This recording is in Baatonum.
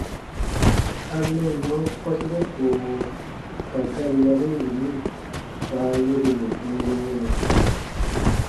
A « mɛnnɔ » kɔsire koowo ka gari yari yini kpa a yore mɛ̀ n weenɛ.